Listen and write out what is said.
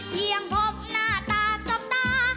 เพียงพบหน้าตาซับตา